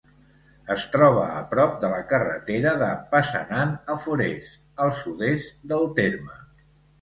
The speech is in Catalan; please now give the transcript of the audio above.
Es troba a prop de la carretera de Passanant a Forès, al sud-est del terme.